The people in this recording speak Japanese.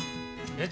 えっ！？